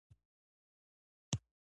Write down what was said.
سیاسي پناه ورکړې ده.